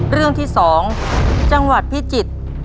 เรื่องที่๒จังหวัดพิจิตร